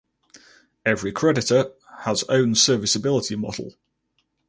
Every creditor has own serviceability model.